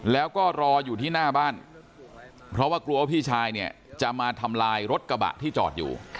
แล้วก็รออยู่ที่หน้าบ้านเพราะว่ากลัวว่าพี่ชายเนี่ยจะมาทำลายรถกระบะที่จอดอยู่